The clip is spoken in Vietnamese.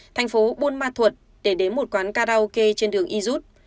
thành phố buôn ma thuật để đến một quán karaoke trên đường y rút